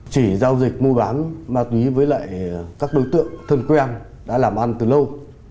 chỉ giao dịch mua bán ma túy với lại các đối tượng thân quen đã làm ăn từ lâu